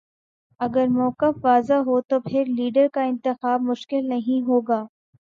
اگر موقف واضح ہو تو پھر لیڈر کا انتخاب مشکل نہیں ہو گا۔